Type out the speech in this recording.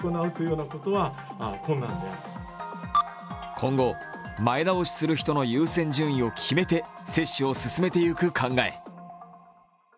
今後、前倒しする人の優先順位を決めて接種を進めていく考え。